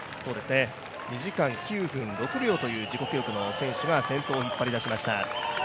２時間９分６秒という自己記録の選手が、先頭を引っ張り出しました。